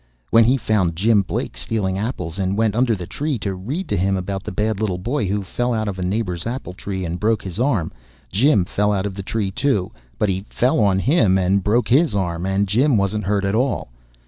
When he found Jim Blake stealing apples, and went under the tree to read to him about the bad little boy who fell out of a neighbor's apple tree and broke his arm, Jim fell out of the tree, too, but he fell on him and broke his arm, and Jim wasn't hurt at all.